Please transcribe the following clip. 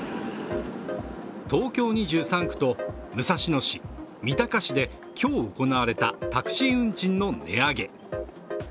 東京２３区と武蔵野市、三鷹市で今日、行われたタクシー運賃の値上げ。